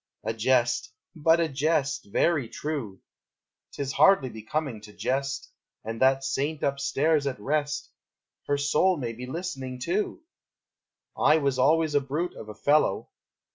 A jest, but a jest! Very true: 'T is hardly becoming to jest, And that saint up stairs at rest, Her soul may be listening, too! I was always a brute of a fellow!